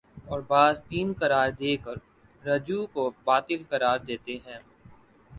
اور بعض تین قرار دے کررجوع کو باطل قرار دیتے ہیں